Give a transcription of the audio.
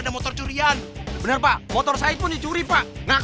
gak tau obar sama ni mana